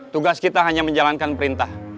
tugas kita hanya menjalankan perintah